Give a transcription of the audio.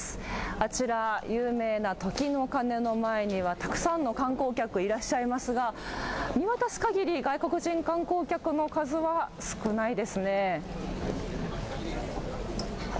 あちら、有名な時の鐘の前にはたくさんの観光客、いらっしゃいますが、見渡すかぎり外国人観光客の数は少ないですね。